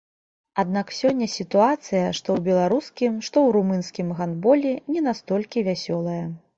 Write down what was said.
Аднак сёння сітуацыя, што ў беларускім, што ў румынскім гандболе не настолькі вясёлая.